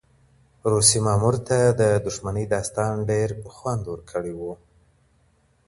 روسي مامور ته د دښمنۍ داستان ډېر خوند ورکړی و.